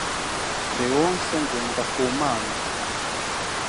Leonce Ngendakumana